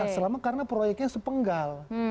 selama karena proyeknya sepenggal